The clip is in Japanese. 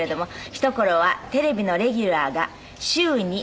ひと頃はテレビのレギュラーが週に１７本。